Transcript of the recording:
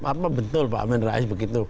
apa betul pak amin rais begitu